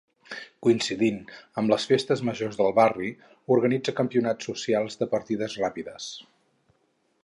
Coincidint amb les festes majors del barri, organitza campionats socials de partides ràpides.